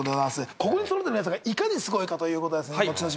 ここにそろってる皆さんがいかにすごいかということはのちのち